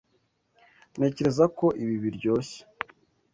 Ntekereza ko ibi biryoshye.